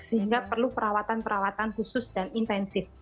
sehingga perlu perawatan perawatan khusus dan intensif